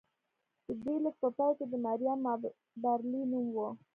د دې لیک په پای کې د مریم مابرلي نوم و